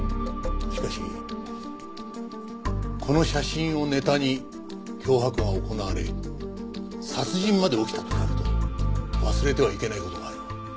しかしこの写真をネタに脅迫が行われ殺人まで起きたとなると忘れてはいけない事がある。